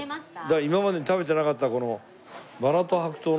今までに食べてなかったこのおお！